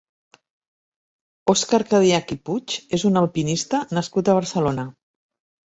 Òscar Cadiach i Puig és un alpinista nascut a Barcelona.